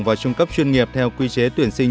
và trung cấp chuyên nghiệp theo quy chế tuyển sinh